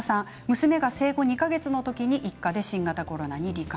娘が生後２か月の時に一家で新型コロナに、り患。